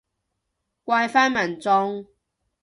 怪返民眾